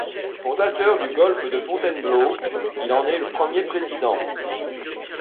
Fondateur du Golf de Fontainebleau, il en est le premier président.